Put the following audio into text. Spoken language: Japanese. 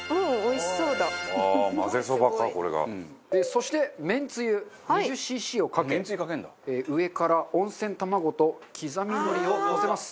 そして、めんつゆ２０ｃｃをかけ上から、温泉たまごと刻み海苔をのせます。